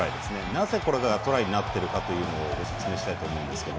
なぜ、これがトライになっているのかをご説明したいと思います。